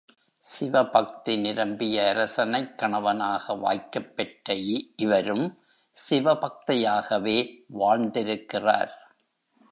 சிவபக்தி நிரம்பிய அரசனைக் கணவனாக வாய்க்கப்பெற்ற இவரும் சிவபக்தையாகவே வாழ்ந்திருக்கிறார்.